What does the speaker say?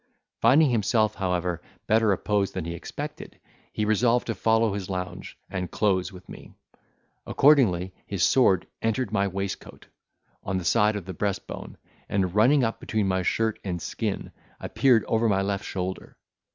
Finding himself, however, better opposed than he expected, he resolved to follow his lounge, and close with me; accordingly, his sword entered my waistcoat, on the side of the breast bone, and, running up between my shirt and skin, appeared over my left shoulder.